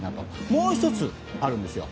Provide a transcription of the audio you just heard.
もう１つ、あるんですよ。